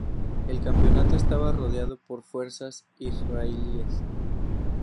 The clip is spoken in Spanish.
El campamento estaba rodeado por fuerzas israelíes.